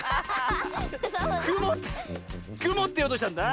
「くも」って「くも」っていおうとしたんだ。